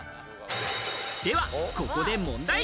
では、ここで問題。